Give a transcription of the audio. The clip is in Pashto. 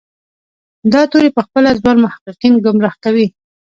دا توری پخپله ځوان محققین ګمراه کوي.